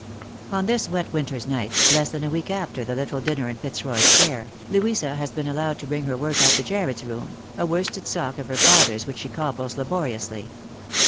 On this wet winter's night, less than a week after the little dinner in Fitzroy square, Louisa has been allowed to bring her work up to Jarred's room, a worsted sock of her father's which she cobbles laboriously.